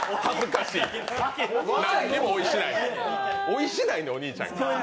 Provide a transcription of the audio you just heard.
なんにもおいしないねん、お兄ちゃんが。